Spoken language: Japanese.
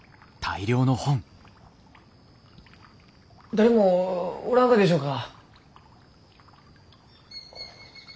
誰もおらんがでしょうか？